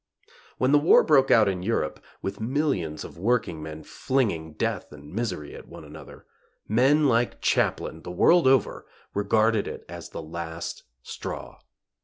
When the war broke out in Europe, with millions of working men flinging death and misery at one another, men like Chaplin, the world over, regarded it as the last straw.